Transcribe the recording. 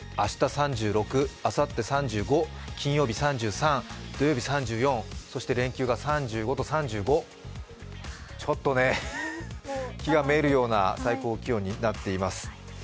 ３６、あさって３５、金曜日３３、土曜日３４、そして連休が３５、ちょっとね、気が滅入るような最高気温になっています。